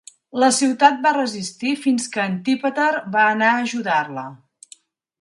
La ciutat va resistir fins que Antípater va anar a ajudar-la.